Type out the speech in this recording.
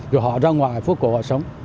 rồi họ ra ngoài phố cổ họ sống